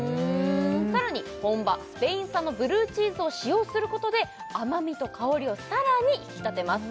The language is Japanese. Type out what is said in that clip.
さらに本場スペイン産のブルーチーズを使用することで甘みと香りをさらに引き立てます